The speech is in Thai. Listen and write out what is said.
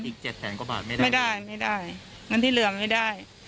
เจ็ดแสนกว่าบาทไม่ได้ไม่ได้เงินที่เหลือไม่ได้